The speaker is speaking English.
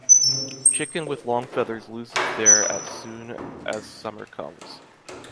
Chicken with long feathers loses their at soon as summer comes.